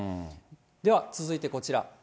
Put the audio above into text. では、続いてこちら。